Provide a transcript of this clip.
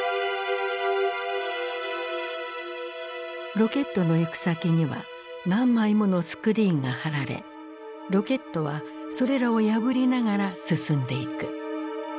ロケットの行く先には何枚ものスクリーンが張られロケットはそれらを破りながら進んでいく。